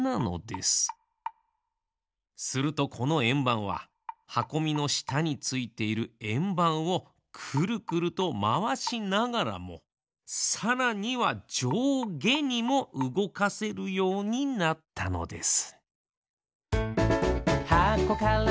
するとこのえんばんははこみのしたについているえんばんをクルクルとまわしながらもさらにはじょうげにもうごかせるようになったのです。